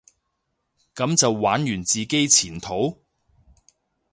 噉就玩完自己前途？